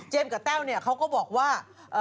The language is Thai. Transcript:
จากกระแสของละครกรุเปสันนิวาสนะฮะ